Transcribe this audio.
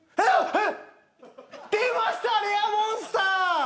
出ました、レアモンスター。